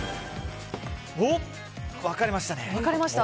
分かれましたね。